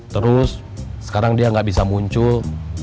terus sekarang dia nggak bisa muncul